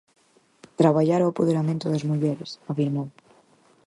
Traballar o apoderamento das mulleres, afirmou.